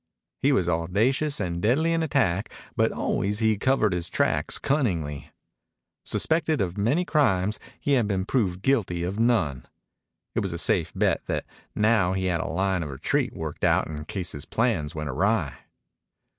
He was audacious and deadly in attack, but always he covered his tracks cunningly. Suspected of many crimes, he had been proved guilty of none. It was a safe bet that now he had a line of retreat worked out in case his plans went awry.